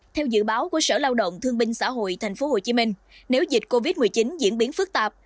theo dự báo của sở lao động thương binh xã hội tp hcm nếu dịch covid một mươi chín diễn biến phức tạp